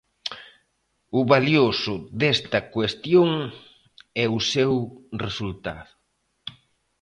O valioso desta cuestión é o seu resultado.